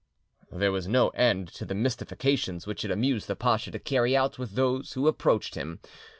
There was no end to the mystifications which it amused the pacha to carry out with those who approached him.